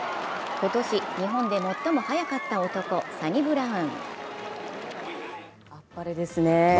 今年、日本で最も速かった男サニブラウン。